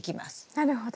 なるほど。